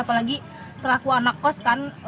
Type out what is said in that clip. apalagi selaku anak kos kan